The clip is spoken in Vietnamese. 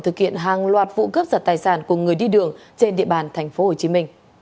thực hiện hàng loạt vụ cướp giật tài sản của người đi đường trên địa bàn tp hcm